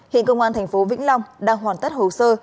hiện công an thành phố vĩnh long đang hoàn tất hồ sơ